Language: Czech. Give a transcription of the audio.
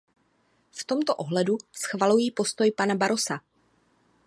V tomto ohledu schvaluji postoj pana Barrosa.